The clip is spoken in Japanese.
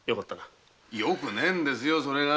よくねぇんですよそれが。